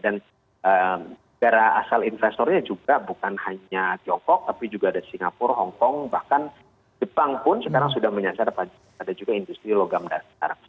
dan secara asal investornya juga bukan hanya tiongkok tapi juga ada singapura hongkong bahkan jepang pun sekarang sudah menyasar pada juga industri logam dasar